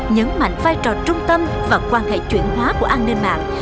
nhấn mạnh vai trò trung tâm và quan hệ chuyển hóa của an ninh mạng